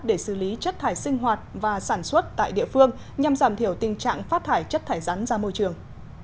để xử lý chất thải sinh hoạt và sản xuất tại địa phương nhằm giảm thiểu tình trạng phát thải chất thải rắn ra môi trường